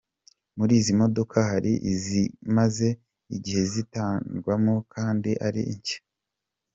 Muri izi modoka hari izimaze igihe zitagendwamo kandi ari nshya.